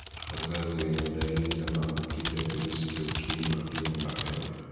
wazazi wenye dalili za maambukizi ya virusi vya ukimwi wapime mapema